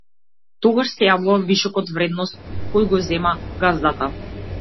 Тогаш се јавува вишокот вредност кој го зема газдата.